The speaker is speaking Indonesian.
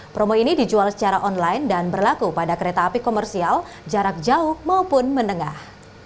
promo ini dijual secara online dan berlaku pada kereta api komersial jarak jauh maupun menengah